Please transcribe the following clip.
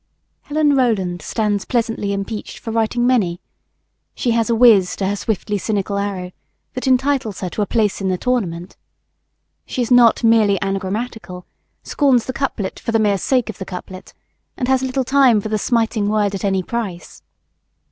Helen Rowland stands pleasantly impeached for writing many. She has a whizz to her swiftly cynical arrow that entitles her to a place in the tournament. She is not merely anagrammatical, scorns the couplet for the mere sake of the couplet, and has little time for the smiting word at any price.